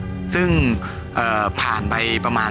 ครับก็จากงานสับปะเหลอโลก